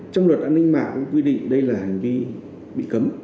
trong luật an ninh mạng cũng quy định đây là hành vi bị cấm